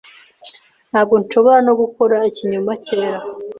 Ntabwo nshobora no gukora ikinyoma cyera ...